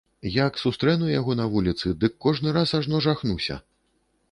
Як сустрэну яго на вуліцы, дык кожны раз ажно жахнуся.